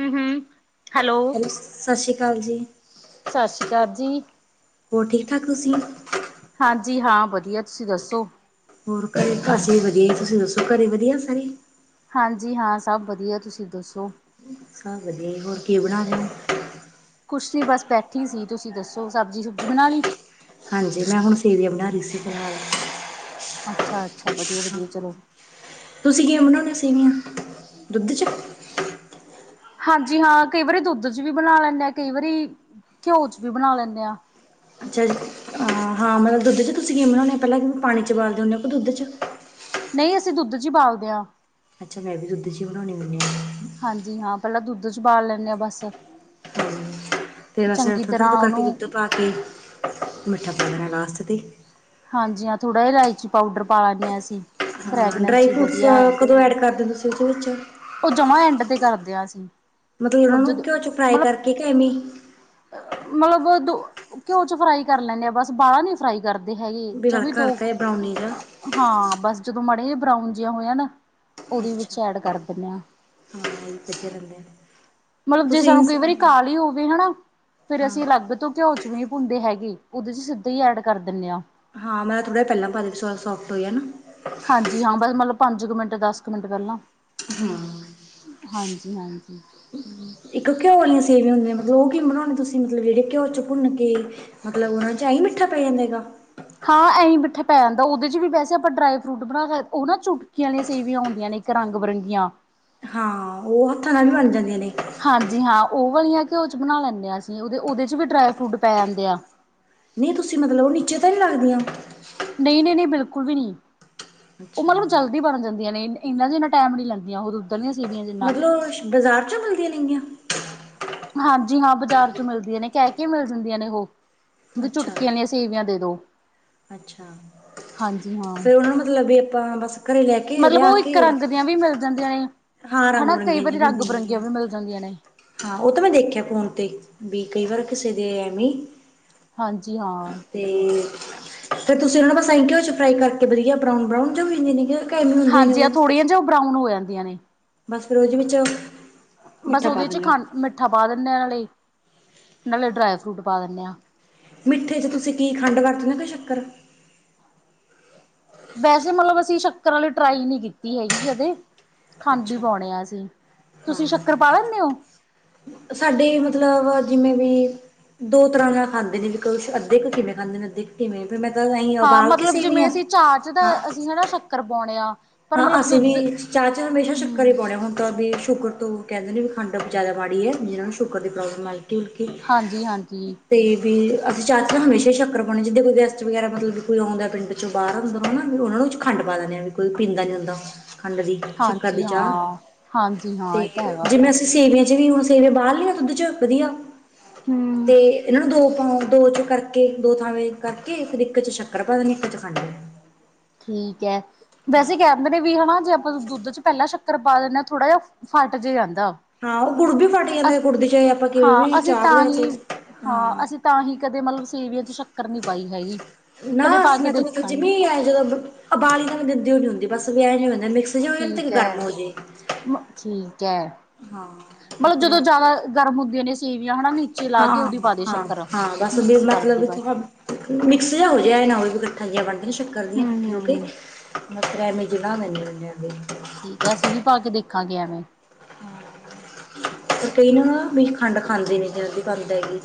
ਹੁੰ, ਹੁੰ ਹੈਲੋ? ਸਾਸ਼੍ਰੀਕਾਲ ਜੀ। ਸਾਸ਼੍ਰੀਕਾਰ ਜੀ ਹੋਰ, ਠੀਕ ਠਾਕ ਤੁਸੀ ਹਾਂਜੀ ਹਾਂ, ਵਧੀਆ ਤੁਸੀਂ ਦੱਸੋ? ਹੋਰ ਘਰੇ ਘਸ ਈ ਵਧੀਆ ਈ ਤੁਸੀ ਦੱਸੋ ਘਰੇ ਵਧੀਆ ਸਾਰੇ? ਹਾਂਜੀ ਹਾਂ, ਸਭ ਵਧੀਆ ਤੁਸੀਂ ਦੱਸੋ? ਸਭ ਵਧੀਆ ਈ ਹੋਰ ਕੀ ਬਣਾ ਰੇ ਓ? ਕੁਛ ਨੀ ਬਸ ਬੈਠੀ ਸੀ ਤੁਸੀ ਦੱਸੋ ਸਬਜ਼ੀ- ਸੁਬਜ਼ੀ ਬਣਾ ਲੀ? ਹਾਂਜੀ ਮੈਂ ਹੁਣ ਸੇਵੀਆਂ ਬਣਾ ਰੀ ਸੀ ਫਿਲਹਾਲ ਅੱਛਾ, ਅੱਛਾ ਵਧੀਆ, ਹਾਂ, ਵਧੀਆ ਚਲੋ। ਤੁਸੀਂ ਕਿਵੇਂ ਬਣਾਨੇ ਓ ਸੇਵੀਆਂ ਦੁੱਧ 'ਚ? ਹਾਂਜੀ ਹਾਂ ਕਈ ਵਾਰੀ ਦੁੱਧ ਚ ਵੀ ਬਣਾ ਲੈਂਨੇ ਆ ਕਈ ਵਾਰੀ ਘਿਓ ਚ ਵੀ ਬਣਾ ਲੈਂਨੇ ਆਂ ਅੱਛਾ ਜੀ ਹਾਂ ਮਤਲ ਦੁੱਧ ਚ ਤੁਸੀਂ ਕੀਏ ਬਣਾਂਨੇ ਆ ਪੈਲਾਂ ਤੁਸੀ ਪਾਣੀ ਚ ਬਾਲਦੇ ਹੁੰਦੇ ਹੋ ਕੇ ਦੁੱਧ ਚ। ਨਈ ਅਸੀਂ ਦੁੱਧ ਚ ਈ ਬਾਲਦੇ ਆਂ। ਅੱਛਾ ਮੈਂ ਵੀ ਦੁੱਧ ਚੀ ਬਣਾਂਨੀ ਹੁੰਨੀ ਆਂ ਹਾਂਜੀ, ਹਾਂ ਪੈਲਾਂ ਦੁੱਧ ਚ ਬਾਲ ਲੈਂਦੇ ਆ ਬਸ। ਫਿਰ ਬਸ ਚੰਗੀ ਥੋੜ ਥੋੜ ਤਰ੍ਹਾਂ ਕਰਕੇ ਦੁੱਧ ਉਹਨੂੰ ਪਾ ਕੇ ਮਿੱਠਾ ਪਾ ਦੇਣਾ ਲਾਸਟ ਤੇ ਹਾਂਜੀ ਹਾਂ ਥੋੜ੍ਹਾ ਇਲਾਇਚੀ ਪਾਊਡਰ ਪਾ ਲੈਂਨੇ ਆਂ ਅਸੀਂ ਹਾਂ ਫਰੈਗਨੈਂਸ ਡਰਾਈ ਜੀ ਫਰੂਟਸ ਵਧੀਆ ਕਦੋਂ ਐਡ ਕਰਦੇ ਓ ਤੁਸੀਂ ਓਦੇ ਵਿੱਚ? ਓ ਜਮਾ ਐਂਡ ਤੇ ਕਰਦੇ ਆ ਅਸੀ। ਮਤਲਬ ਓਨਾਂ ਨੂੰ ਘਿਓ ਚ ਫਰਾਈ ਕਰਕੇ ਕੇ ਐਮੇ ਮਲਬ ਦੋ ਘਿਓ ਚ ਫਰਾਈ ਕਰ ਲੈਂਨੇ ਆ ਬਸ ਬਾਲਾ ਨੀ। ਫਰਾਈ ਕਰਦੇ ਹੈਗੇ ਵੀ ਜਵੇ ਹਲਕਾ ਦੋ ਹਲਕਾ ਜਿਹਾ ਬਰਾਉਨੀ ਜਾ ਹਾਂ, ਬਸ ਜਦੋਂ ਮਾੜੀਆ ਜ ਬਰਾਊਨ ਜੀਆ ਹੋ ਜਾਣ ਓ ਦੀ ਵਿੱਚ ਐਡ ਕਰ ਦਿੰਨੇ ਆਂ। ਚ ਰਦੇ [unintelligible] ਮਲਬ ਜੇ ਸਾਨੂੰ ਕਈ ਵਾਰੀ ਕਾਲੀ ਹੋਵੇ ਹਨਾ ਫੇਰ ਹਾਂ ਅਸੀਂ ਅਲੱਗ ਤੋਂ ਘਿਓ ਚ ਵੀ ਭੁੰਨਦੇ ਹੈਗੇ ਓਦੇ ਚ ਸਿੱਧਾ ਈ ਐਡ ਕਰ ਦਿੰਨੇ ਆ। ਹਾਂ ਮੈਂ ਥੜਾਿ ਪਹਿਲਾਂ ਪਾ ਵੀਸ ਸੋਫ ਹੋਈਾ ਹਾਂਜੀ ਹਾਂ ਬਸ ਮਤਲਬ ਪੰਜ ਕੁ ਮਿੰਟ ਦਸ ਕੁ ਮਿੰਟ ਪਹਿਲਾਂ ਹਾਂ ਹਾਂਜੀ ਹਾਂਜੀ ਇੱਕ ਘਿਓ ਵਾਲੀਆਂ ਸੇਵੀਆਂੁੰਆਂ ਮਤਲਬ ਉਹ ਕੀ ਬਣਾਉ ਤੁਸੀਂ ਮਤਲਬ ਜਹੜੇ ਘਿਓ ਚ ਭੁੰਨ ਕੇ ਮਤਲਬ ਉਹਨਾ ਚ ਆਈ ਮਿੱਠਾ ਪੈ ਜਾਂਦਾਗਾ ਹਾਂ ਇਂ ਮਿੱਠਾ ਪੈ ਜਾਂਦਾ ਉਹਦੇ ਚ ਵੀ ਵੈਸੇ ਆਪਾਂ ਡਰਾਈ ਫਰੂਟ ਬਣਾ ਸਕ ਉਹ ਨਾ ਚੁੱ ਸੀ ਵਾਲੀਆਂ ਸੇਵੀਆਂ ਹੁੰਦੀਆਂ ਨੇ ਇੱਕ ਰੰ ਬਿਰੰਗੀਆਂ ਹਾਂ ਉਹ ਹੱਥਾਂ ਨਾਲ ਵੀ ਬਣ ਜਾਂਦੀਆਂ ਨੇ ਹਾਂਜੀ ਹਾਂ ਉਹ ਵਾਲੀਆਂ ਘਿਓ ਚ ਬਣਾ ਲੈਂਦੇ ਹਾਂ ਅਸੀਂ ਉਹਦੇ ਉਹਦੇ ਚ ਵੀ ਡਰਾਈ ਫਰੂਟ ਪੈ ਜਾਂਦੇ ਆ ਨਹੀਂ ਤੁਸੀਂ ਮਤਲਬ ਉਹ ਨੀਚੇ ਤਾਂ ਨਹੀਂ ਲੱਗਦੀਆਂ ਨਹੀਂ ਨਹੀਂ ਨਹੀਂ ਬਿਲਕੁਲ ਵੀ ਨਹੀਂ ਉਹ ਅੱਛਾ ਮਤਲਬ ਜਲਦੀ ਬਣ ਜਾਂਦੀ ਨੇ ਇੰਨਾ ਇੰਨਾ ਟਾਈਮ ਨੀ ਲੈਂਦੀਆਂ ਉਹ ਦੁੱਧ ਦੀਆਂ ਸੇਵੀਆਂ ਜਿੰਨਾ। ਮਤਲਬ ਬਾਜ਼ਾਰ 'ੋਂ ਮਿਲਦੀਆਂ ਨੇੰਗੀਆਂ ਹਾਂਜੀ ਹਾਂ ਬਾਜ਼ਾਰ ਚ ਮਿਲਦੀਆਂ ਨੇ ਕਹਿ ਕੇ ਮਿਲ ਜਾਂਦੀਆਂ ਨੇ ਉਹ ਵੀ ਅੱਛਾ ਚੁਟਕੀਆਂ ਨੇ ਸੇਵੀਆਂ ਦੇ ਦੋ ਅੱਛਾ ਹਾਂਜੀ ਹਾਂ ਫੇਿਰ ਉਹਨਾਂ ਨੂੰ ਮਤਲਬ ਵੀ ਆਪਾਂ ਬਸ ਘਰੇ ਲੈ ਕੇ ਮਤਲਬ ਲਿਆ ਉਹ ਇੱਕ ਕੇ ਰੰਗ ਦੀਆਂ ਵੀ ਮਿਲ ਜਾਂਦੀਆਂ ਨੇ ਹਾਂ ਰੰਗ ਹਨਾ ਕਈ ਬਿਰੰਗੀਆਂ ਜੀ ਵਾਰੀ ਵੀ ਰੰਗ ਹੁੰਦੀਆਂ ਬਿਰੰਗੀਆਂ ਨੇਗੀਆਂ ਵੀ ਮਿਲ ਜਾਂਦੀਆਂ ਨੇ ਹਾਂ ਉਹ ਤਾਂ ਮੈਂ ਦੇਖਿਆ ਫੋਨ ਤੇ ਵੀ ਕਈ ਵਾਰ ਕਿਸੇ ਦੇ ਐਵੇ ਹਾਂਜੀ ਹਾਂ ਤੇ ਫੇਿਰ ਤੁਸੀਂ ਉਹ ਨਾ ਬਸਘਿਓ ਵਿੱਚ ਫਰਾਈ ਕਰਕੇ ਵਧੀਆ ਬਰਾਊਨ ਬਰਾਊਨ ਜੋ ਵੀ ਇੰ ਨ ਹਾਂਜੀ ਆ ਥੋੜੀਆਂ ਜਿਆਂ ਉਹ ਬਰਾਊਨ ਹੋ ਜਾਂਦੀਆਂ ਨੇ ਬਸ ਫਿਰ ਉਹਦੇ ਵਿੱਚ ਬਸ ਮਿੱਠਾ ਪਾ ਉਹਦੇ ਚ ਦਿੰਦੇ ਹੋ ਖਾ ਮਿੱਠਾ ਪਾ ਦਿੰਦੇ ਹਾਂ ਨਾਲੇ ਨਾਲੇ ਡਰਾਈ ਫਰੂਟ ਪਾ ਦਿੰਦੇ ਹਾਂ ਮਿੱਠੇ ਚ ਤੁਸੀਂ ਕੀ ਖੰਡ ਵਰਤਦੇ ਕੋਈ ਚੱਕਰ ਵੈਸੇ ਮਤਲਬ ਅਸੀਂ ਸ਼ੱਕਰ ਵਾਲੀ ਟਰਾਈ ਨਹੀਂੀ ਕੀਤੀ ਹੈਗੀ ਕਦੇ ਖੰਡ ਹੀ ਅੱਛਾ ਪਾਉਣੇ ਆ ਸੀ ਤੁਸੀਂ ਸ਼ੱਕਰ ਹਾਂ ਪਾ ਲੈਂਦੇ ਹੋ ਸਾਡੇ ਮਤਲਬ ਜਿਵੇਂ ਵੀ ਦੋ ਤਰ੍ਹਾਂ ਨਾਲ ਖਾਂਦੇ ਨੇ ਵੀ ਕੁਛ ਅੱਧੇ ਕੁ ਕਿਵੇਂ ਖਾਂਦੇ ਨੇ ਅੱਧੇ ਕਿਵੇਂ ੈਂ ਤਾਂ ਹਾਂ ਉਬਾਲ ਕੇ ਮਤਲਬ ਜਿਵੇਂ ਸੇਵੀਆਂ ਅਸੀਂ ਚਾਰ ਚ ਦਾ ਹਾਂ ਅਸੀਂ ਹਨਾ ਸ਼ੱਕਰ ਪਾਉਣੇਿਆ ਹਾਂ ਅਸੀਂ ਵੀ ਚਾਹ ਚਾਹ ਹਮੇਸ਼ਾ ਸ਼ੱਕ ਹੀ ਪਾਉਣੇ ਹੁਣ ਤਾਂ ਵੀ ਸ਼ੁਕਰ ਉਹ ਕਹਿੰਦੇ ਵੀ ਖੰਡ ਜਿਆਦਾਾੜੀ ਹੈ ਜਿਹਨਾਂ ਨੂੰ ਸ਼ੂਗਰ ਦੀ ਪ੍ਰੋਬਲਮ ਮਲਟੀ ਉਲਕੀ ਹਾਂਜੀ ਹਾਂਜੀ ਤੇ ਵੀ ਅਸੀਂ ਚਾ ਚ ਹਮੇਸ਼ਾ ਹੀ ਸ਼ੱਕਰ ਪਾਉਣੇ ਜਿੱਦਾਂ ਕੋਈ ਗੈਸਟ ਵਗੈਰਾ ਮਤਲਬ ਕੋਈ ਆਉਂਦਾ ਪਿੰਡ ਚੋਂ ਬਾਹਰ ਹੁੰਦਾ ਵਾ ਵੀ ਉਹਨਾ ਨੂੰ ਚ ਖੰਡ ਪਾ ਦਿੰਦੇ ਆ ਵੀ ਕੋਈ ਪੀਂਦਾ ਨੀ ਹੁੰਦਾ ਖੰਡ ਦੀ ਸ਼ੱਕਰ ਦੀ ਹਾਂਜੀ ਚਾਹ ਹਾਂ ਹਾਂਜੀ ਹਾਂ ਤੇ ਇਹ ਤਾਂ ਹੈਗਾ ਜਿਵੇਂ ਸੇਵੀਆਂ ਚ ਵੀ ਹੁਣ ਸੇਵੇ ਬਾਹਰ ਲਈੀਆਂ ਦੁੱਧ ਚ ਵਧੀਆ ਹੂੰ ਤੇ ਇਹਨਾਂ ਨੂੰ ਦੋ ਪਾ ਦੋ ਚ ਕਰਕੇ ਦੋ ਥਾਵੇਂ ਕਰਕੇ ਫਿਰ ਇੱਕ ਚ ਸ਼ੱਕਰ ਪਾ ਨੇ ਇੱਕ ਚ ਖੰਡ ਠੀਕ ਹੈ ਵੈਸੇ ਕਹ ਦਿੰਦੇ ਨੇ ਵੀ ਹਨਾ ਜੇ ਆਪਾਂ ਦੁੱਧ ਚ ਪਹਿਲਾਂ ਸ਼ੱਕਰ ਪਾ ਦੇ ਨਾਂ ਥੋੜਾ ਜਿਹਾ ਫੱਟ ਜੇ ਜਾਂਦਾ। ਹਾਂ ਓ ਗੁੜ ਬੀ ਫਟ ਜਾਂਦਾ ਅਸ ਗੁੜ ਦੀ ਚੇ ਆਪਾਂ ਕਿਵੇਂ ਹਾਂ ਵੀ ਅਸੀਂ ਚਾਹ ਵੀ ਤਾਂ ਰੱਖੇ ਹੀ ਹਾਂ। ਤਾਂ ਹੀ ਕਦੇ ਮਲਬ ਸੇਵੀਆਂ ਦੀ ਸ਼ਕ ਨਾ ਮੈਂ ਤ ਮਤਲਬ ਦੇਖਾਂਗੇ ਜਿਮੀਂ ਆਈ ਜਬ ਅਬਾਲੀਆ ਵੀ ਦਿੰਦੀ ਨੀ ਹੁੰਦੀ ਬਸ ਵੀ ਐ ਨੀ ਹੁੰਦਾ ਮਿਸ ਠੀਕ ਐ। ਠੀਕ ਐ। ਹਾਂ ਵੀ ਮਤਲਬ ਫਿਰ ਜਦੋਂ ਜਾਦਾ ਠੀਕ ਗਰਮ ਹੁੰਦੀਆ ਨੇ ਸੇਵੀਆਂ ਹਨਾ ਨੀ। ਹਾਂ ਹਾਂ ਹਾਂ ਬਸ। ਬੀ ਕਰਦੇ ਮਤਲਬ ਏਥੇ ਬਸ ਮਿਕਸ ਜਿਹਾ ਹੋ ਜੈ ਐ ਨਾ ਹੋਏ ਵੀ ਗਠਾ ਜੀਆ ਬਣ ਜਾ ਣ ਸ਼ੱਕਰ ਦੀਆਂ ਕੱਠੀ ਹੋ ਕੇ। ਹੂੰ-ਹੂੰ [unintelligible] ਠੀਕ ਐ। ਅਸੀ ਵੀ ਪਾ ਕੇ ਦੇਖਾਂਗੇ ਐਵੇਂ। ਕਈ ਨਾ ਬਈ ਖੰਡ ਪਾਂਦੇ ਨੀ ਜਲਦੀ ਪਕ ਜਾਏਗੀ।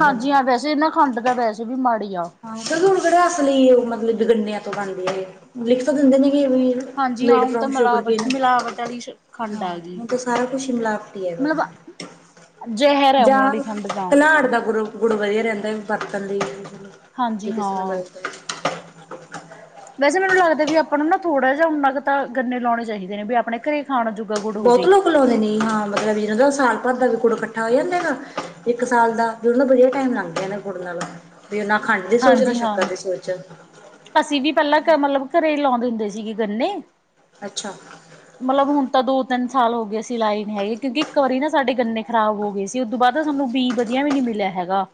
ਹਾਂਜੀ ਹਾਂ ਵੈਸੇ ਨਾ ਖੰਡ ਤਾ ਵੈਸੇ ਵੀ ਮਾੜੀ ਆ। ਹਾਂ। ਚਲੋ ਹੁਣ ਕੇਹੜੇ ਅਸਲੀ ਓ ਮਤਲਬ ਗੰਨਿਆਂ ਤੋਂ ਬਣਦੇ ਆ ਏ। ਲਿਖ ਤਾਂ ਦਿੰਦੇ ਨੇਗੇ ਵੀ ਹਾਂਜੀ ਹਾਂ ਮੇਡ ਹੁਣ ਤਾਂ ਫਰੋਮ‌ ਮਿਲਾਵਟ ਸ਼ੂਗਰਕੇਨ। ਮਿਲਾਵਟ ਵਾਲੀ ਖੰਡ ਹਾਂ ਆ ਗਈ। ਹੁਣ ਤਾਂ ਸਾਰਾ ਕੁਛ ਈ ਮਿਲਾਵਟੀ ਹੈਗਾ। ਮਤਲਬ ਜ਼ਹਿਰ ਹੈ ਹੁਣ ਜਾਂ ਵਾਲੀ ਖੰਡ ਤਾਂ ਘਲਾੜ ਦਾ ਗੁਰ ਗੁੜ ਵਧੀਆ ਰੈਂਦਾ ਵਰਤਣ ਲਈ। ਹਾਂਜੀ ਜੇ ਕਿਸਰਾ ਹਾਂ ਬਰਤ ਵੈਸੇ ਮੈਨੂੰ ਲੱਗਦਾ ਵੀ ਆਪਾਂ ਨੂੰ ਨਾ ਥੋੜਾ ਜਾ ਉੰਨਾ ਕੁ ਤਾਂ ਗੰਨੇ ਲੋਣੇ ਚਾਹੀਦੇ ਨੇ ਬੀ ਅਪਣੇ ਘਰੇ ਖਾਣ ਜੋ ਬੋਤ ਲੋਕ ਲੋਂਦੇ ਨੇ। ਹਾਂ ਮਤਲਬ ਈਨਾ ਦਾ ਸਾਲ ਭਰ ਦਾ ਗੁੜ ਕੱਠਾ ਹੋ ਜਾਂਦਾ ਹੈਗਾ। ਇਕ ਸਾਲ ਦਾ। ਫੇਰ ਓਹ ਨਾ ਵਧੀਆ ਟੈਮ ਲੰਗ ਜਾਂਦਾ ਗੁੜ ਨਾਲ। ਵੀ ਓਹ ਨਾ ਖੰਡ ਦੀ ਸੋਚ ਨਾ ਸ਼ੱਕਰ ਦੀ ਸੋਚ। ਅਸੀ ਵੀ ਪੈਲਾਂ ਕ ਮਤਲਬ ਘਰੇ ਈ ਲੋਂਦੇ ਹੁੰਦੇ ਸੀਗੇ ਗੰਨੇ। ਅੱਛਾ। ਮਲਬ ਹੁਣ ਤਾਂ ਦੋ ਤਿੰਨ ਸਾਲ ਹੋ ਗਏ ਅਸੀ ਸੀ ਲਾਏ ਨੀ ਹੈਗੇ। ਕਿਉਂਕਿ ਇੱਕ ਵਾਰੀ ਨਾ ਸਾਡੇ ਗੰਨੇ ਖ਼ਰਾਬ ਹੋ ਗਏ ਸੀ। ਉਦੂ ਬਾਦ ਸਾਨੂੰ ਬੀ ਵਧੀਆ ਵੀ ਨੀ ਮਿਲਿਆ ਹੈਗਾ।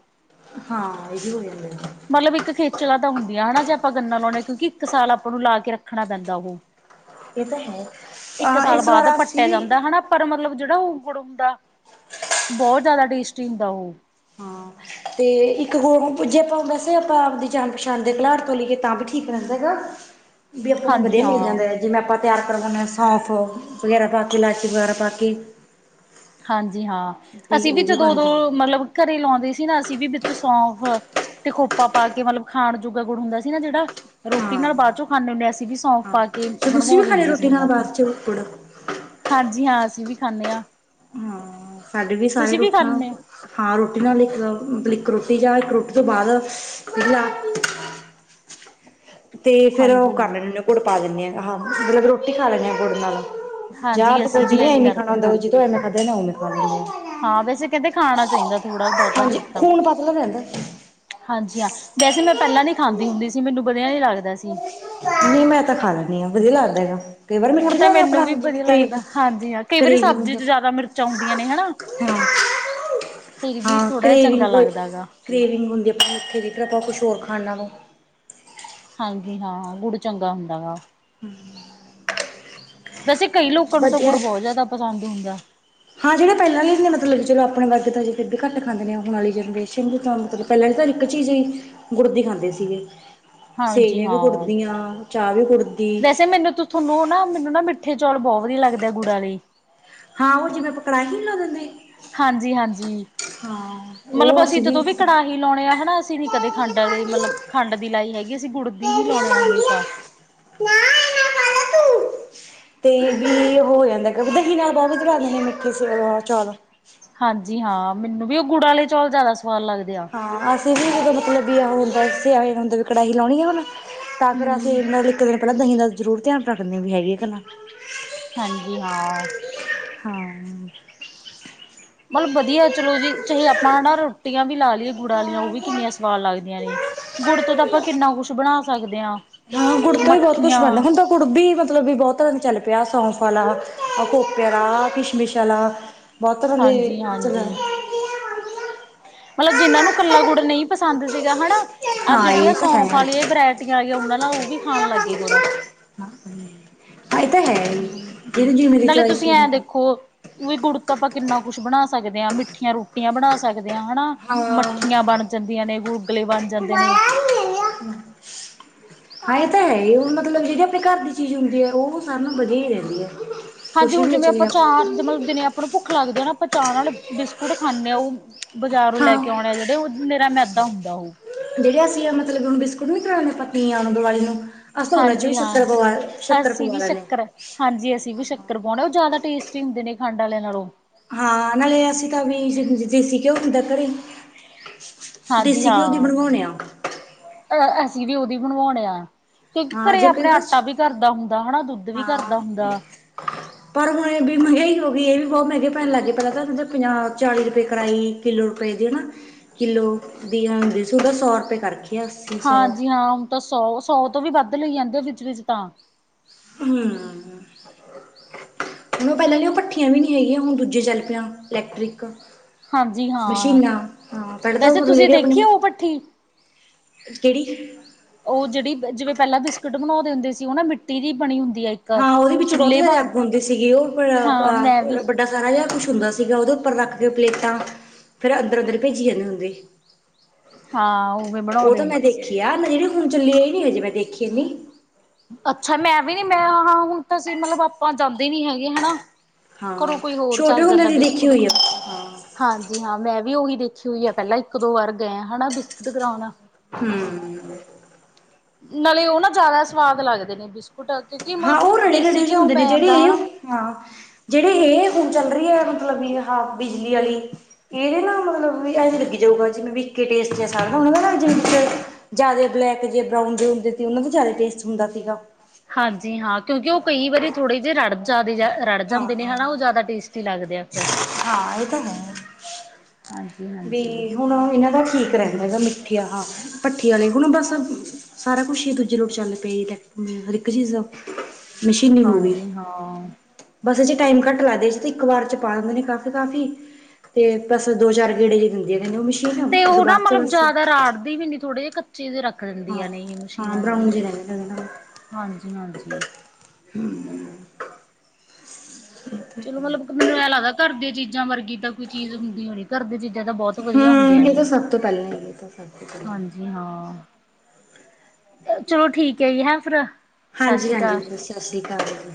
ਹਾਂ ਏ ਵੀ ਹੋ ਜਾਂਦਾ ਏ। ਮਲਬ ਇੱਕ ਖੇਚਲਾ ਤਾਂ ਹੁੰਦੀਆਂ ਹਨਾ ਜੇ ਆਪਾਂ ਗੰਨਾ ਲੋਂਣੇ ਕਿਉਂਕਿ ਇੱਕ ਸਾਲ ਆਪਾਂ ਨੂੰ ਲਾ ਕੇ ਰੱਖਣਾ ਪੈਂਦਾ ਓਹ। ਏ ਤਾਂ ਹੈ। ਅ ਸਾਲ ਇਸ ਵਾਰ ਬਾਅਦ ਪੱਟਿਆ ਆਸੀ ਜਾਂਦਾ ਹਨਾ ਪਰ ਮਤਲਬ ਜੇੜਾ ਓਹ ਗੁੜ ਹੁੰਦਾ ਬੋਤ ਜਾਦਾ ਟੇਸਟੀ ਹੁੰਦਾ ਓਹ। ਹਾਂ। ਤੇ ਇੱਕ ਹੋਰ ਜੇ ਆਪਾਂ ਵੈਸੇ ਆਪਾਂ ਆਪਦੀ ਜਾਨ ਪਛਾਣ ਦੇ ਘਲਾੜ ਤੋਂ ਲਈਏ ਤਾਂ ਵੀ ਠੀਕ ਰੈਂਦਾ ਹੈਗਾ। ਬੀ ਆਪਾਂ ਨੂੰ ਹਾਂਜੀ ਵਧੀਆ ਮਿਲ ਹਾਂ ਜਾਂਦਾ ਐ। ਜਿਵੇਂ ਆਪਾਂ ਤਿਆਰ ਕਰਵਾਨੇ ਆਂ ਸੌਂਫ ਵਗ਼ੈਰਾ ਪਾ ਕੇ ਲਾਚੀ ਵਗੈਰਾ ਪਾ ਕੇ। ਹਾਂਜੀ ਹਾਂ। ਅਸੀ ਵੀ ਜਦੋਂ ਓਦੋਂ ਮਤਲਬ ਘਰੇ ਲੋਂਦੇ ਸੀ ਨਾ ਅਸੀ ਵੀ ਵਿੱਚ ਸੌਂਫ ਤੇ ਖੋਪਾ ਪਾ ਕੇ ਮਤਲਬ ਖਾਣ ਜੋਗਾ ਗੁੜ ਹੁੰਦਾ ਸੀ ਨਾ ਜੇੜਾ ਆ ਰੋਟੀ ਹਾਂ ਨਾਲ ਬਾਦ ਚੋਂ ਖਾਂਨੇ ਹੁੰਨੇ ਅਸੀ ਵੀ ਸੌਂਫ ਹਾਂ ਪਾ ਕੇ ਤੇ ਤੁਸੀਂ ਬਣਵਾ ਵੀ ਖਾਣੀ ਦਿੰਦੇ ਸੀ ਰੋਟੀ ਨਾਲ ਉਨਾਂ ਤੋਂ। ਬਾਅਦ ਚ ਗੁੜ ਹਾਂਜੀ ਹਾਂ ਅਸੀ ਵੀ ਖਾਂਨੇ ਆਂ। ਹਾਂ। ਸਾਡੇ ਵੀ ਸਾਰੇ ਰੁੱਠਿਯਾਂ ਖਾਂਦੇ ਹੋ ਹਾਂ ਰੋਟੀ ਨਾਲ ਇੱਕ ਮਲ ਇੱਕ ਰੋਟੀ ਜਾਂ ਇੱਕ ਰੋਟੀ ਤੋਂ ਬਾਦ ਯਾ ਤੇ ਫਿਰ ਓ ਹਾਂਜੀ ਕਰ ਹਾਂ ਲੈਂਨੇ ਗੁੜ ਪਾ ਦਿੰਨੇ ਆ। ਹਾਂ ਮਤਲਬ ਰੋਟੀ ਖਾ ਲੈਂਨੇ ਆਂ ਗੁੜ ਨਾਲ। ਹਾਂਜੀ ਯਾਦ ਕੋ ਅਸੀਂ ਵੀ ਜਿਵੇ ਐਂ ਐਵੇਂ ਖਾਣਾ ਕਰਦੇ ਹਾਂ ਹੁੰਦਾ ਜਦੋਂ ਐਵੇਂ ਖਾਂਦਾ ਨਾ ਉਵੇਂ ਖਾ ਲੇਨੇ ਆਂ। ਹਾਂ ਵੈਸੇ ਕੈਂਦੇ ਖਾਣਾ ਚਾਈਦਾ ਥੋੜਾ ਬੋਤਾ ਹਾਂਜੀ ਗੁੜ ਤਾਂ। ਖੂਨ ਪਤਲਾ ਰਹਿੰਦਾ ਹਾਂਜੀ ਹਾਂ। ਵੈਸੇ ਮੈਂ ਪਹਿਲਾਂ ਨੀ ਖਾਂਦੀ ਹੁੰਦੀ ਸੀ ਮੈਨੂੰ ਬੜੀਆ ਨੀ ਲੱਗਦਾ ਸੀ। ਨਈ ਮੈਂ ਤਾਂ ਖਾ ਲੈਨੀ ਆਂ। ਵਧੀਆ ਲਾਗਦੇਗਾ। ਹੁਣ ਤਾਂ ਮੈਨੂੰ ਵੀ ਬਧੀਆ ਲੱਗਦਾ। ਹਾਂਜੀ ਹਾਂ ਕਈ ਵਾਰੀ ਕਰੇਵਿੰਗ ਸਬਜ਼ੀ ਹੁੰਦੀ ਚ ਜਾਦਾ ਮਿਰਚਾਂ ਹੁੰਦੀਆਂ ਨੇ ਹੈਨਾ। ਹਾਂ। ਹਾਂ ਥੋੜ੍ਹਾ ਜਿਹਾ ਕਰੇਵੀ ਚੰਗਾ ਕੋਈ ਲੱਗਦਾ ਗਾ। ਕ੍ਰੇਵਿੰਗ ਹੁੰਦੀ ਆਪਾਂ ਉੱਥੇ ਵੀ ਆਪਾਂ ਕੁਛ ਹੋਰ ਖਾਨਾ ਵਾ। ਹਾਂਜੀ ਹਾਂ ਗੁੜ ਚੰਗਾ ਹੁੰਦਾ ਵਾ। [unintelligible] ਵੈਸੇ ਕਈ ਲੋਕਾਂ ਨੂੰ ਤਾਂ ਗੁੜ ਵਧੀਆ ਬੋਤ ਜਾਦਾ ਪਸੰਦ ਹੁੰਦਾ। ਹਾਂ ਜੇੜੇ ਪੈਲਾਂ ਨੀ ਸੀ ਮਤਲਬ ਚਲ ਆਪਣੇ ਬਾਕਿ ਤਾ ਹਜੇ ਫਿਰ ਵੀ ਘੱਟ ਖਾਂਦੇ ਹੁਣ ਵਾਲੀ ਜਨਰੇਸ਼ਨ ਦੀ ਤਾਂ ਮਤਲਬ ਪੈਲਾਂ ਤਾਂ ਇੱਕ ਚੀਜ਼ ਹੀ ਗੁੜ ਦੀ ਖਾਂਦੇ ਸੀਗੇ। ਹਾਂਜੀ ਸੇਵੀਆਂ ਵੀ ਗੁੜ ਹਾਂ। ਦੀਆਂ ਚਾ ਵੀ ਗੁੜਦੀ। ਥਾਨੂੰ ਓ ਨਾ ਮੈਨੂੰ ਨਾ ਮਿੱਠੇ ਚੌਲ ਬਹੁ ਵਧੀਆ ਲੱਗਦੇ ਗੁੜਾ ਆਲੇ। ਹਾਂ ਓ ਜਿਵੇਂ ਪਕੜਾਹੀ ਨੀ ਹੋ ਜਾਂਦੀ। ਹਾਂਜੀ ਹਾਂਜੀ ਮਲਬ ਅਸੀਂ ਜਦੋਂ ਵੀ ਕੜਾਹ- ਹੀ ਲਾਉਣੇ ਆ ਹਨਾ ਅਸੀਂ ਨੀ ਕਦੇ ਖੰਡ ਅਲੇ ਮਲਬ ਖੰਡ ਦੀ ਲਾਈ ਹੈਗੀ ਅਸੀਂ ਗੁੜ ਦੀ ਈ ਲਾਉਣੇ ਆ ਹਮੇਸ਼ਾ। [unintelligible] ਤੇ ਕਿ ਹੋ ਜਾਂਦਾ ਕਰਦੇ ਕਿ ਨਾਲ ਬਾ ਬਣਾ ਕੇ ਮਿੱਠੇ ਸੇਵੋ ਚਾਵਲ ਦਾ ਹਾਂਜੀ ਹਾਂ ਮੈਨੂੰ ਵੀ ਓ ਗੁੜ ਆਲੇ ਚੌਲ ਜਾਦਾ ਸਵਾਦ ਲੱਗਦੇ ਆ। ਹਾਂ ਅਸੀਂ ਵੀ ਮਲਬ ਵੀ ਆ ਹੁੰਦਾ ਸਿਆਏ ਹੁੰਦੇ ਵੀ ਕੜਾਹੀ ਲਾਣੀ ਹੁਣ। ਤਾਂ ਫੇਰ ਹੂੰ ਅਸੀਂ ਮਤਬ ਇੱਕ ਦਿਨ ਪੈਲਾਂ ਦਹੀਂ ਦਾ ਜ਼ਰੂਰ ਧਿਆਨ ਰੱਖਦੇ ਆਂ ਬ‌ਈ ਹੈਗੀ ਕੇ ਨਾ। ਹਾਂਜੀ ਹਾਂ ਹਾਂ ਮਲਬ ਵਧੀਆ ਚਲੋ ਜੀ ਚੇ ਆਪਾਂ ਨਾ ਰੋਟੀਆਂ ਵੀ ਲਾ ਲਈਏ ਗੁੜ ਆਲੀਆਂ ਓ ਵੀ ਕਿੰਨੀਆਂ ਸਵਾਦ ਲੱਗਦੀਆਂ ਨੇ ਗੁੜ ਤੋਂ ਤਾਂ ਆਪਾਂ ਕਿੰਨਾ ਕੁੱਛ ਬਣਾ ਸਕਦੇ ਆਂ। ਹਾਂ ਗੁੜ ਤੋਂ ਵੀ ਬੋਤ ਕੁਛ ਬਣਦਾ। ਤਾਂ ਗੁੜ ਬੀ ਮਲਬ ਬੀ ਬੋਤ ਤਰ੍ਹਾਂ ਦਾ ਚੱਲ ਪਿਆ ਸੌਂਫ ਅਲਾ, ਖੋਪੇ ਅਲਾ, ਕਿਸ਼ਮਿਸ਼ ਅਲਾ। ਬੋਤ ਤਰ੍ਹਾਂ ਦੇ ਚੱਲ ਹਾਂਜੀ-ਹਾਂਜੀ ਮਲਬ ਜਿਨਾ ਨੂੰ ਕੱਲਾ ਗੁੜ ਨ‌ਈ ਪਸੰਦ ਸੀਗਾ ਹਨਾ। ਆਹ ਹਾਂ ਜੇੜੀਆਂ ਇਹ ਤਾਂ ਹੈ ਸੌਂਫ ਅਲੀਆਂ ਵਰੈਟੀਆਂ ਆਈਆਂ ਓਨਾਂ ਨਾਲ ਓ ਵੀ ਖਾਣ ਲੱਗ ਗੇ ਗੂੜਾ ਆ। ਾਂ ਹ ਐ ਤਾਂ ਹੈ ਈ। ਹੂੰ, ਜੇੜੀ ਚੀਜੀ ਮੇਰੀ ਚੋਇਸ ਮ ਉ ਵੀ ਗੁੜ ਤਾਂ ਆਪਾਂ ਕਿੰਨਾ ਕੁਛ ਬਣਾ ਸਕਦੇ ਆ ਮਿੱਠੀਆਂ ਰੋਟੀਆਂ ਬਣਾ ਸਕਦੇ ਆਂ ਹਨਾ ਮੱਠੀਆਂ ਬਣ ਜਾਂਦੀਆਂ ਨੇ, ਗੁਲਗਲੇ ਬਣ ਜਾਂਦੇ ਨੇ। ਹਾਂ [unintelligible] ਹਾਂ ਏ ਤਾਂ ਹੈ ਈ ਓ ਮਤਲਬ ਜੇੜੀ ਆਪਣੇ ਘਰ ਦੀ ਚੀਜ਼ ਹੁੰਦੀ ਐ ਓ ਸਾਨੂੰ ਵਧੀਆ ਈ ਰੇਂਦੀ ਐ। ਹਾਂਜੀ ਹੁਣ ਜਿਵੇਂ ਆਪਾਂ ਚਾਅ ਮਤਲਬ ਦਿਨੇ ਆਪਾਂ ਨੂੰ ਭੁੱਖ ਲੱਗਦੀ ਆਪਾਂ ਚਾਅ ਨਾਲ ਬਿਸਕੁਟ ਖਾਂਦੇ ਆਂ ਓ ਬਜ਼ਾਰੋ ਲੈ ਹਾਂ ਕੇ ਆਉਣੇ ਆ ਜੜੇ, ਓ ਨਿਰਾ ਮੈਦਾ ਹੁੰਦਾ ਓ। ਜੇੜੇ ਅਸੀਂ ਆ ਮਤਲਬ ਬਿਸਕੁਟ ਨੀ ਕਰਾਦੇ ਪਤੀਆਂ ਨੂੰ ਦੀਵਾਲੀ ਨੂੰ ਅਸੀ ਓਨਾਂ 'ਚ ਵੀੱ ਹਾਂਜੀ ਹਾਂ ਸ਼ਕਰ ਸ਼ੱਕਰ ਅਸੀਂ ਪਵਾ ਵੀ ਲੇਨੇ ਆ। ਸ਼ੱਕਰ ਹਾਂਜੀ ਅਸੀਂ ਵੀ ਸ਼ੱਕਰ ਪਾਉਣ ਓ ਜ਼ਾਦਾ ਟੇਸਟੀ ਹੁੰਦੇ ਨੇ ਖੰਡ ਆਲਿਆਂ ਨਲੋਂ। ਹਾਂ ਨਾਲੇ ਅਸੀਂ ਤਾਂ ਵੀ ਦੇਸੀ ਘਿਉ ਹੁੰਦਾ ਘਰੇ। ਦੇਸੀ ਘਿਓ ਦੀ ਬਣਵਾਉਣੇ ਆ। ਅਹ ਅਸੀਂ ਵੀ ਓਦੀ ਬਣਵਾਣੇ ਆ। ਕਿਉਂਕਿ ਹਾਂ ਘਰੇ ਜੇ ਕੋਈ ਆਪਣੇ ਬਸ ਆਟਾ ਵੀ ਘਰਦਾ ਹੁੰਦਾ ਹਨਾ ਦੁੱਧ ਵੀ ਹਾਂ ਘਰਦਾ ਹੁੰਦਾ। [unintelligible] ਪਰ ਹੁਣ ਏ ਵੀ ਮਹਿੰਗਾਈ ਹੋ ਗਈ ਏ ਵੀ ਬੋਤ ਮੈਂਗੇ ਪੈਣ ਲੱਗ ਗਏ ਪੈਲਾ ਤਾਂ ਪੰਜਾਹ ਚਾਲੀ ਰੁਪਏ ਕਰਾਈ ਕਿੱਲੋ ਰੁਪਏ ਦੀ ਏ ਨਾ ਕਿੱਲੋ ਦੀ ਹੁੰਦੀ ਸੀ ਓਦਾ ਸੌ ਰੁਪਏ ਕਰਗੇ। ਹਾਂਜੀ ਹਾਂ ਹੁਣ ਤਾਂ ਸੌ ਸੌ ਤੋਂ ਵੀ ਵੱਧ ਲਈ ਜਾਂਦੇ ਆ ਵਿੱਚ ਵਿਚ ਤਾਂ। ਹੂੰ ਹੂੰ। ਹੁਣ ਓ ਪੈਲਾਂ ਦੀ ਓ ਭੱਠੀਆਂ ਵੀ ਨ‌ਈ ਰ‌ਈਆਂ ਹੁਣ ਦੂਜੇ ਚੱਲ ਪ‌ਈਆ ਇਲੈਕਟ੍ਰਿਕ। ਹਾਂਜੀ ਹਾਂ ਮਸ਼ੀਨਾਂ ਹਾਂ ਪੈਡ ਤਾਂ ਵੈਸੇ ਲ ਤੁਸੀਂ ਲੇਗੇ ਆਪਣੇ। ਦੇਖੀ ਉਹ ਭੱਠੀ ਕੇੜੀ ਓ ਜੇੜੀ ਜਿਵੇਂ ਪਹਿਲਾਂ ਬਿਸਕੁਟ ਬਣਾਉਦੇ ਹੁੰਦੇ ਸੀ, ਓ ਨਾ ਮਿੱਟੀ ਦੀ ਬਣੀ ਹੁੰਦੀ ਐ। ਹਾਂ ਓਦੇ ਵਿੱਚ ਬੋਤ ਜਾਦਾ ਅੱਗ ਹੁੰਦੇ ਸੀਗੀ ਓ ਹਾਂ ਮੈਂ ਵੀ ਫੇਰ ਓ ਡਾ ਸਾਰਾ ਜਿਆ ਕੁਛ ਹੁੰਦਾ ਸੀਗਾ ਓਦੇ ਉੱਪਰ ਰੱਖ ਕੇ ਪਲੇਟਾਂ ਫੇਰ ਅੰਦਰ ਅੰਦਰ ਭੇਜੀ ਜਾਂਦੇ ਹੁੰਦੇ। ਹਾਂ ਉਵੇਂ ਓ ਬਣਾਉਂਦੇ ਤਾਂ ਮੈਂ ਹੁੰਦੇ ਦੇਖੀ ਸੀ। ਆ ਜੇੜੀ ਹੁਨ ਚੱਲੀ ਆਈ ਏ ਨੀ ਹਜੇ ਮੈਂ ਦੇਖੀ ਨੀ। ਅੱਛਾ ਮੈਂ ਵੀ ਨੀ ਮੈਂ ਹਾਂ ਹੁਨ ਤਾਂ ਅਸੀਂ ਮਤਲਬ ਆਪਾਂ ਜਾਂਦੇ ਨੀ ਹੈਗੇ ਹਨਾ। ਘਰੋਂ ਹਾਂ ਕੋਈ ਹੋਰ ਛੋਟੇ ਚੱਲ ਹੁੰਦੇ ਜਾਂਦਾ ਦੀ ਦੇਖੀ ਬਿਸਕੁਟ ਹੋਈ ਆ ਕਰੌਨ। ਹਾਂ ਹਾਂਜੀ ਹਾਂ ਮੈਂ ਵੀ ਓਈ ਦੇਖੀ ਹੋਈ ਆ ਪੈਲਾਂ ਇੱਕ ਦੋ ਵਾਰ ਗਏ ਆਂ ਹਨਾ ਬਿਸਕੁਟ ਕਰੌਨ। ਹੂੰ। ਨਾਲੇ ਓ ਨਾ ਜ਼ਾਦਾ ਸਵਾਦ ਲੱਗਦੇ ਨੇ ਬਿਸਕੁਟ। ਕਿਉਂਕਿ ਹਾਂ ਮਤਲਬ ਓ ਰੜੇ-ਰੜੇ ਦੇਸੀ ਜੇ ਘਿਓ ਹੁੰਦੇ ਨੇ ਪੈ ਜੇੜੇ ਜਾਂਦਾ ਏ ਹਨਾ। ਹਾਂ। ਜੇੜੇ ਏ ਹੁਨ ਚੱਲ ਰਈ ਐ ਮਤਲਬ ਵੀ ਆਹਾ ਬਿਜਲੀ ਆਲੀ ਏਹੇ ਨਾ ਮਤਲਬ ਵੀ ਐਂਜੇ ਲੱਗੀ ਜਾਊਗਾ, ਜਿਵੇਂ ਵੀ ਇਕੇ ਟੇਸਟ ਜਾ ਸਾਰੇਆਂ ਦਾ ਜ਼ਾਦੇ ਬਲੈਕ ਜੇ ਬਰਾਊਨ ਜੇ ਹੁੰਦੇ ਸੀ ਓਨਾਂ ਦਾ ਜ਼ਾਦੇ ਟੇਸਟ ਹੁੰਦਾ ਸੀਗਾ। ਹਾਂਜੀ ਹਾਂ ਕਿਓਂਕਿ ਓ ਕਈ ਵਾਰੀ ਥੋੜੇ ਜੇ ਰੜ ਜਾਦੇ ਰੜ ਹਾਂ ਜਾਂਦੇ ਨੇ ਹਨਾ ਓ ਜ਼ਾਦਾ ਟੇਸਟੀ ਲੱਗ ਹਾਂ ਏ ਤਾਂ ਹੈ। ਵੀ ਹਾਂਜੀ-ਹਾਂਜੀ। ਹੁਨ ਏਨਾਂ ਦਾ ਠੀਕ ਰੈਂਦਾ ਗਾ ਮਿੱਠੀਆ ਹਾਂ ਭੱਠੀ ਆਲੇ ਹੁਨ ਬਸ ਸਾਰਾ ਕੁਛ ਈ ਦੂਜੇ ਲੋਟ ਚੱਲ ਪਏ ਟੈਕ ਹਰ ਇੱਕ ਚੀਜ਼ ਮਸ਼ੀਨੀ ਹੋਗੇ। ਹਾਂਜੀ ਹਾਂ। ਬਸ ਏ ਚ ਟਾਈਮ ਘੱਟ ਲੱਗਦੈ ਏ ਚ ਇੱਕ ਵਾਰ ਚ ਪਾ ਦਿੰਦੇ ਨੇ ਕਾਫੀ-ਕਾਫੀ, ਤੇ ਬਸ ਦੋ ਚਾਰ ਗੇੜੇ ਜੇ ਦਿੰਦੀ ਆ ਕੈਂਦੇ ਓ ਮਸ਼ੀਨ ਤੇ ਅ ਓਦੋਂ ਉਹ ਨਾ ਬਾਦ ਚ ਮਤਲਬ ਬਸ ਜ਼ਿਆਦਾ ਰਾੜਦੀ ਵੀ ਮੈਨੇ ਥੋੜੇ ਜੇ ਕੱਚੇ ਜੇ ਰੱਖਦੇ ਨੇ। ਇਹ ਹਾਂ-ਹਾਂ ਮਸ਼ੀਨਾਂ ਬ੍ਰਰਾਊਨ ਜਿਹੜੀ। ਜੇ ਰੈਂਦੇ ਨੇ ਓਦੇ ਨਾਲ। ਹਾਂਜੀ-ਹਾਂਜੀ। ਹੂੰ। ਚਲੋ ਮਤਲਬ ਮੈਨੂੰ ਐਂ ਲੱਗਦਾ ਘਰ ਦੀਆਂ ਚੀਜ਼ਾਂ ਵਰਗੀ ਤਾਂ ਕੋਈ ਚੀਜ਼ ਹੁੰਦੀ ਓ ਨੀ। ਘਰ ਦੀਆਂ ਚੀਜ਼ਾਂ ਤਾਂ ਬੋਤ ਵਦੀਆ ਹੁੰਦੀਆਂ ਹੂੰ ਇਹ ਤਾਂ ਨੇ, ਸਭ ਤੋਂ ਪਹਿਲਾਂ ਹੀ ਇਹ ਤਾਂ ਸਭ ਤੋਂ ਪਹਿਲਾਂ ਹਾਂਜੀ ਹਾਂ। ਚਲੋ ਠੀਕ ਐ ਜੀ ਹੈਂ ਫੇਰ। ਹਾਂਜੀ-ਹਾਂਜੀ ਸਸ ਰੀ ਕਾਲ ਜੀ।